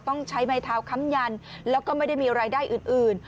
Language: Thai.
ต้องใช้ไม้เท้าค้ำยันแล้วก็ไม่ได้มีรายได้อื่น